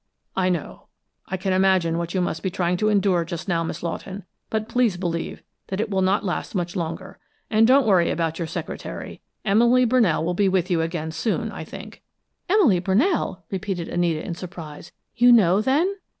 "I know. I can imagine what you must be trying to endure just now, Miss Lawton, but please believe that it will not last much longer. And don't worry about your secretary; Emily Brunell will be with you again soon, I think." "Emily Brunell!" repeated Anita, in surprise. "You know, then?"